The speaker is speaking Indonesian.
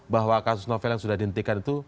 bahwa kasus novel yang sudah dihentikan itu